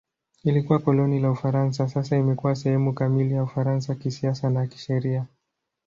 Ilikuwa koloni la Ufaransa; sasa imekuwa sehemu kamili ya Ufaransa kisiasa na kisheria.